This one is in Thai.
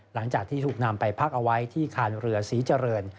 หลังจากที่ถูกนำไปพักเอาไว้ที่คานเรือศรีเจริญ